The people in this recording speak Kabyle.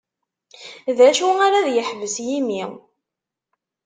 D acu ara ad yeḥbes yimi.